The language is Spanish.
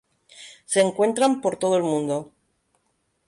Se encuentran por todo el mundo.